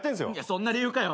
そんな理由かよ。